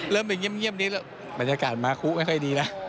เริ่มไปเงียบนี้แล้วบรรยากาศมาคุไม่ค่อยดีนะ